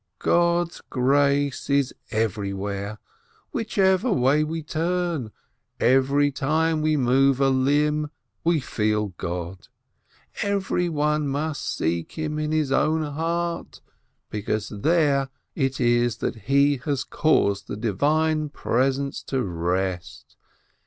God's grace is everywhere, whichever way we turn, every time we move a limb we feel God ! Everyone must seek Him in his own heart, because there it is that He has caused the Divine Presence to rest.